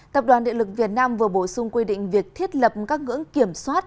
tập đoàn điện lực việt nam vừa bổ sung quy định việc thiết lập các ngưỡng kiểm soát